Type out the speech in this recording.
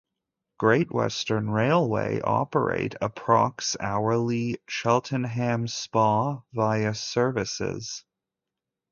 Great Western Railway operate approx hourly Cheltenham Spa - via services.